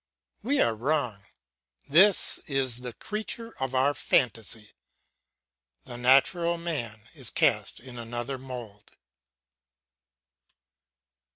We are wrong; this is the creature of our fantasy; the natural man is cast in another mould.